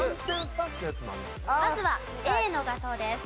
まずはＡの画像です。